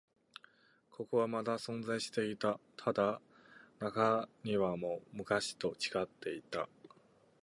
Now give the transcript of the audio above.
ここはまだ存在していた。ただ、中庭も昔と違っていた。